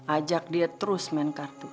ajak dia terus main kartu